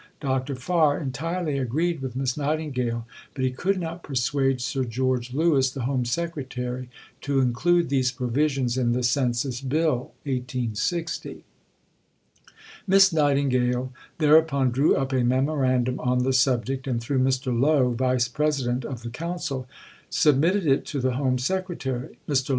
Dr. Farr entirely agreed with Miss Nightingale, but he could not persuade Sir George Lewis, the Home Secretary, to include these provisions in the Census Bill (1860). Miss Nightingale thereupon drew up a memorandum on the subject, and, through Mr. Lowe (Vice President of the Council), submitted it to the Home Secretary. Mr.